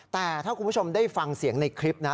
แต่ถ้าคุณผู้ชมได้ฟังเสียงในคลิปนะ